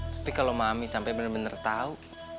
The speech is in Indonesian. tapi kalau mami sampai bener bener tau